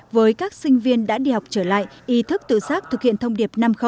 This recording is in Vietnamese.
với các sinh viên đã đi học trở lại ý thức tự xác thực hiện thông điệp năm